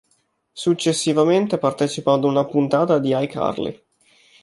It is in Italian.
Successivamente partecipa ad una puntata di "iCarly".